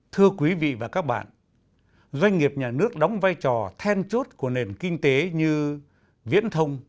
thưa quý vị và các bạn doanh nghiệp nhà nước đóng vai trò then chốt của nền kinh tế như viễn thông